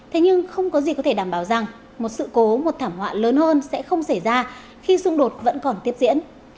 thế nhưng không có gì có thể đảm bảo rằng một sự cố một thảm họa lớn hơn sẽ không xảy ra khi xung đột vẫn còn tiếp diễn